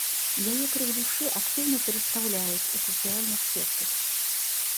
Яе крык душы актыўна перастаўляюць у сацыяльных сетках.